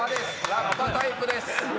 ラッパタイプです。